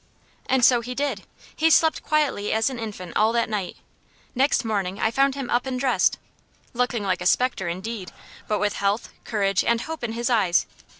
And so he did. He slept quietly as an infant all that night. Next morning I found him up and dressed. Looking like a spectre, indeed; but with health, courage, and hope in his eyes.